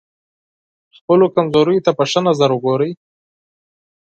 خپلو کمزوریو ته په ښه نظر وګورئ.